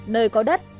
nơi có đất